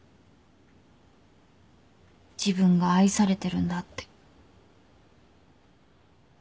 自分が愛されてるんだって。